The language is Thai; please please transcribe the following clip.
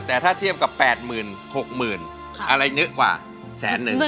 แต่ถ้าเทียบกับ๘๐๐๐๐๖๐๐๐๐อะไรเหนือกว่าแสนหนึ่ง